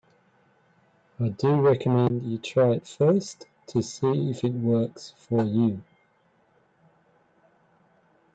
I do recommend you try it first to see if it works for you.